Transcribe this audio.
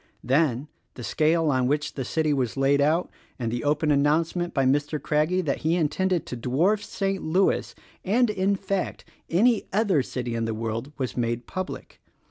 Then the scale on which the city was laid out and the open announce ment by Mr. Craggie that he intended to dwarf St. Louis and, in fact, any other city in the world was made public.